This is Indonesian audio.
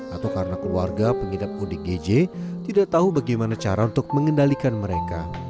atau karena keluarga pengidap odgj tidak tahu bagaimana cara untuk mengendalikan mereka